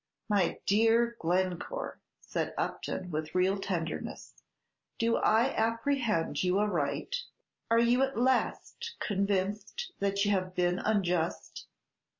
"My dear Glencore," said Upton, with real tenderness, "do I apprehend you aright? Are you at last convinced that you have been unjust?